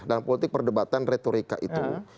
dalam politik perdebatan retorika itu